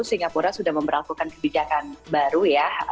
singapura sudah memperlakukan kebijakan baru ya